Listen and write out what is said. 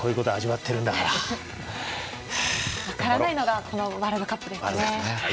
分からないのがワールドカップですね。